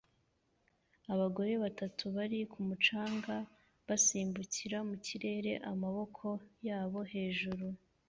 Abagore batatu bari ku mucanga basimbukira mu kirere amaboko yabo hejuru